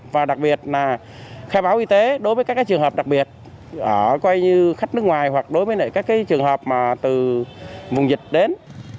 và đặc biệt là khai báo y tế đối với các trường hợp đặc biệt coi như khách nước ngoài hoặc đối với các trường hợp mà từ vùng dịch đến